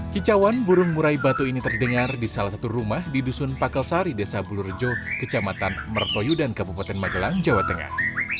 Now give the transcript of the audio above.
kicauan burung murai batu ini terdengar di salah satu rumah di dusun pakalsari desa bulurjo kecamatan mertoyu dan kabupaten magelang jawa tengah